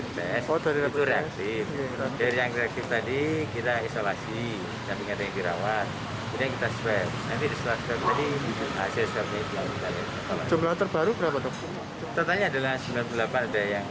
tentangnya adalah sembilan puluh delapan ada yang reaktif kemudian tadi ada yang gerawat ada yang tidak kita hasilkan